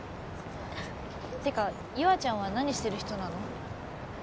ってか優愛ちゃんは何してる人なの？